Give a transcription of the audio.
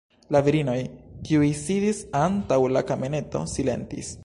La virinoj, kiuj sidis antaŭ la kameneto, silentis.